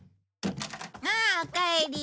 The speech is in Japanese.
ああおかえり。